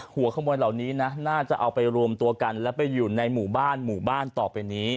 หัวขโมยเหล่านี้นะน่าจะเอาไปรวมตัวกันและไปอยู่ในหมู่บ้านหมู่บ้านต่อไปนี้